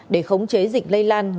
để khống chế dịch lây lan